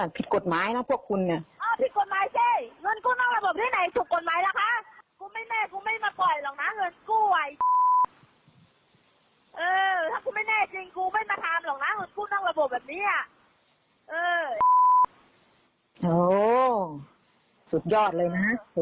อัดเสียงไว้ด้วยล่ะอย่าลืมอัดเสียงไว้ล่ะ